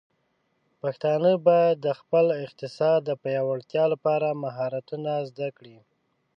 پښتانه بايد د خپل اقتصاد د پیاوړتیا لپاره مهارتونه زده کړي.